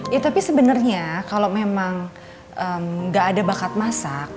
ya tapi sebenernya kalo memang gak ada bakat masak